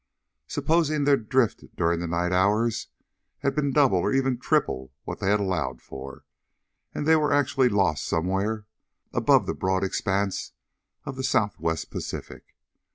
Supposing their drift during the night hours had been double or even triple what they had allowed for, and they were actually lost somewhere above the broad expanse of the Southwest Pacific?